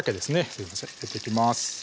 すいません入れていきます